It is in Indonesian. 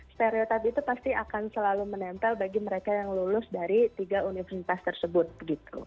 stereoty itu pasti akan selalu menempel bagi mereka yang lulus dari tiga universitas tersebut gitu